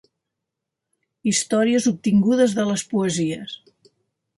Històries obtingudes de les poesies.